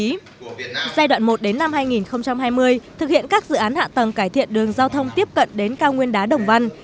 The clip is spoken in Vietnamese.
giai đoạn một đến năm hai nghìn hai mươi thực hiện các dự án hạ tầng cải thiện đường giao thông tiếp cận đến cao nguyên đá đồng văn